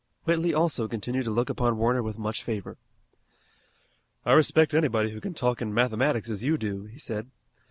Whitley also continued to look upon Warner with much favor. "I respect anybody who can talk in mathematics as you do," he said.